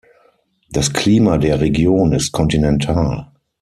Das Klima der Region ist kontinental.